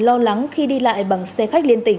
lo lắng khi đi lại bằng xe khách liên tỉnh